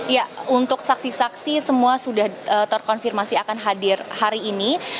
ya untuk saksi saksi semua sudah terkonfirmasi akan hadir hari ini